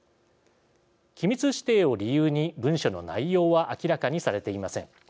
機密指定を理由に文書の内容は明らかにされていません。